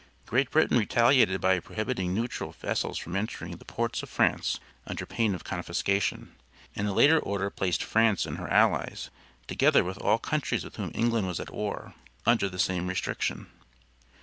Great Britain retaliated by prohibiting neutral vessels from entering the ports of France under pain of confiscation; and a later order placed France and her allies, together with all countries with whom England was at war, under the same restriction.